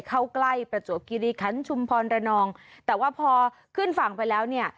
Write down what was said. เข้าใกล้ประจวบกิริคันชุมพรระนองแต่ว่าพอขึ้นฝั่งไปแล้วเนี่ย